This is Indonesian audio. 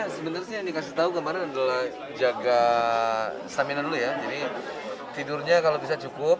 sebenarnya sih yang dikasih tahu kemarin adalah jaga stamina dulu ya jadi tidurnya kalau bisa cukup